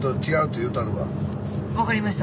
分かりました。